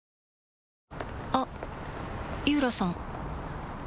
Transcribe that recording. あっ井浦さん